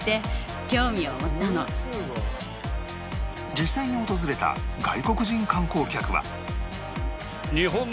実際に訪れた外国人観光客は